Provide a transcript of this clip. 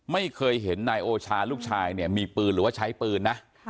ไม่เคยเห็นนายโอชาลูกชายเนี่ยมีปืนหรือว่าใช้ปืนนะ